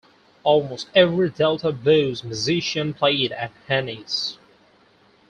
Almost every Delta Blues musician played at Haney's.